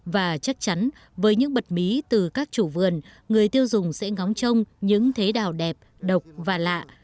và chắc chắn với những bật mí từ các chủ vườn người tiêu dùng sẽ ngóng trông những thế đào đẹp độc và lạ